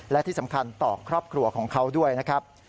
และที่สำคัญต่อครอบครัวของเขาด้วยนะครับ